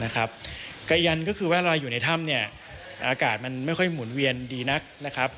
กระยันก็คือว่าเราอยู่ในถ้ำอากาศมันไม่ค่อยหมุนเวียนดีนักนะครับ